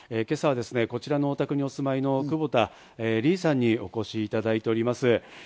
今朝はこちらのお宅にお住まいの久保田リイさんにお越しいただいております。